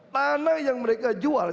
tanah yang mereka jual